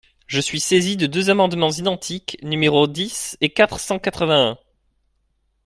Je suis saisie de deux amendements identiques, numéros dix et quatre cent quatre-vingt-un.